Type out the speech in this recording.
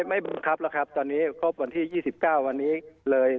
ไม่บังคับแล้วครับตอนนี้ครบวันที่๒๙วันนี้เลย